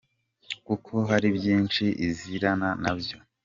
Kuko hari byinshi izirana na byo, .